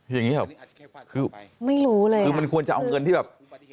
อย่างนี้ครับคือมันควรจะเอาเงินที่แบบ